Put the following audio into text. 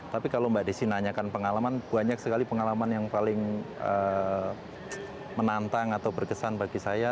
tapi kalau mbak desi nanyakan pengalaman banyak sekali pengalaman yang paling menantang atau berkesan bagi saya